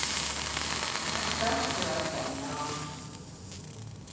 Kas tas tur atkal nāk?